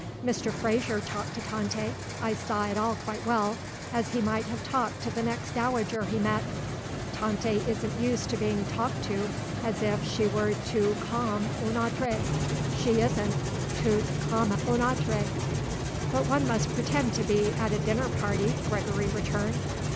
Mr. Fraser talked to Tante I saw it all quite well as he might have talked to the next dowager he met. Tante isn't used to being talked to as if she were toute comme une autre; she isn't toute comme une autre." "But one must pretend to be, at a dinner party," Gregory returned.